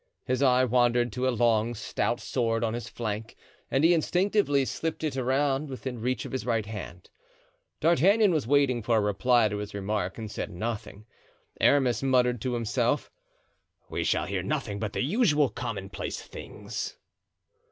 His eye wandered to a long stout sword on his flank and he instinctively slipped it around within reach of his right hand. D'Artagnan was waiting for a reply to his remark and said nothing. Aramis muttered to himself, "We shall hear nothing but the usual commonplace things."